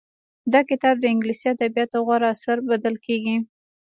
دا کتاب د انګليسي ادبياتو غوره اثر بلل کېږي.